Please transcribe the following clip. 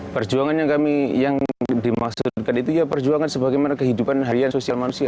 perjuangan yang kami yang dimaksudkan itu ya perjuangan sebagaimana kehidupan harian sosial manusia